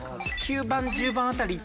９番１０番辺り。